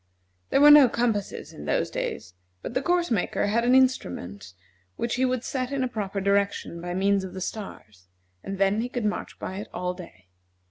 There were no compasses in those days, but the course marker had an instrument which he would set in a proper direction by means of the stars, and then he could march by it all day.